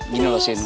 gini loh sini